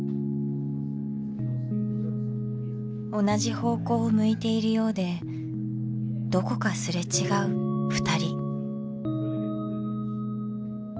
同じ方向を向いているようでどこかすれ違うふたり。